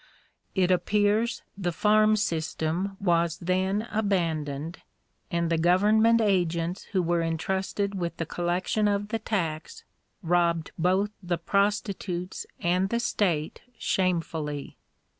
It appears the farm system was then abandoned, and the government agents who were intrusted with the collection of the tax robbed both the prostitutes and the state shamefully.